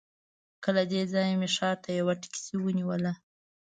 له دې ځایه مې ښار ته یوه ټکسي ونیوله.